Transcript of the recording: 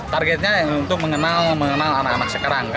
targetnya untuk mengenal anak anak